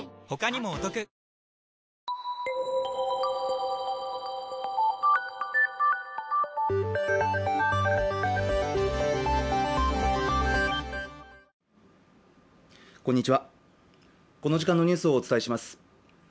こんにちはこの時間のニュースをお伝えします